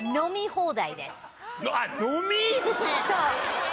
そう。